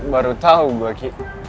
baru tau gue ki